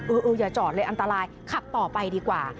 เอออย่าจอดเลยอันตรายขับต่อไปดีกว่า